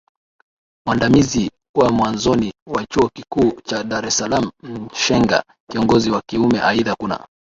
mwandamizi wa mwanzoni wa Chuo Kikuu Cha Dar es SalaamMshenga kiongozi wa kiumeAidha kuna